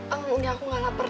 enggak aku gak lapar